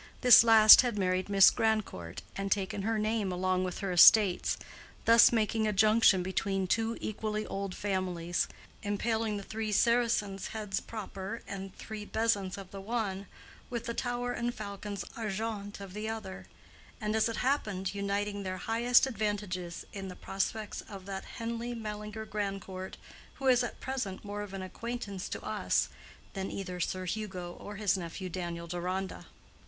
This last had married Miss Grandcourt, and taken her name along with her estates, thus making a junction between two equally old families, impaling the three Saracens' heads proper and three bezants of the one with the tower and falcons argent of the other, and, as it happened, uniting their highest advantages in the prospects of that Henleigh Mallinger Grandcourt who is at present more of an acquaintance to us than either Sir Hugo or his nephew Daniel Deronda.